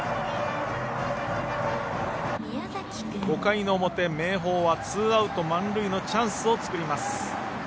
５回の表、明豊はツーアウト、満塁のチャンスを作ります。